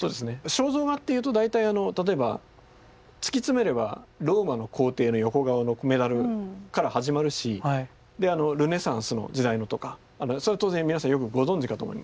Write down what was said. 肖像画っていうと大体例えば突き詰めればローマの皇帝の横顔のメダルから始まるしルネサンスの時代のとかそれは当然皆さんよくご存じかと思います。